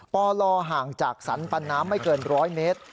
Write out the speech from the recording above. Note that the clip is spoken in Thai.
ปลห่างจากสรรปันน้ำไม่เกิน๑๐๐เมตร